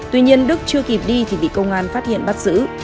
tuy nhiên đức chưa kịp đi thì bị công an phát hiện bắt giữ